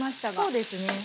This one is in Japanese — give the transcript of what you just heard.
そうですね。